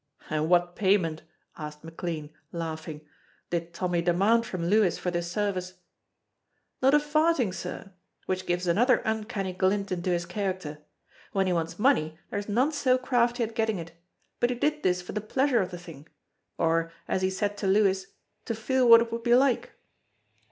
"And what payment," asked McLean, laughing, "did Tommy demand from Lewis for this service?" "Not a farthing, sir which gives another uncanny glint into his character. When he wants money there's none so crafty at getting it, but he did this for the pleasure of the thing, or, as he said to Lewis, 'to feel what it would be like.'